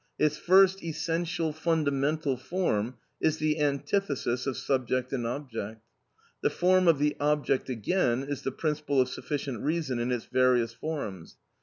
Its first essential, fundamental form is the antithesis of subject and object. The form of the object again is the principle of sufficient reason in its various forms.